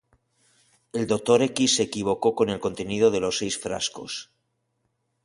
El Doctor X se equivocó con el contenido de los seis frascos.